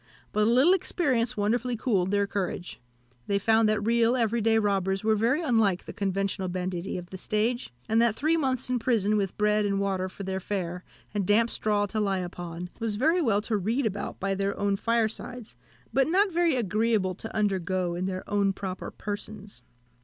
But a little experience wonderfully cooled their courage; they found that real, everyday robbers were very unlike the conventional banditti of the stage, and that three months in prison, with bread and water for their fare, and damp straw to lie upon, was very well to read about by their own firesides, but not very agreeable to undergo in their own proper persons.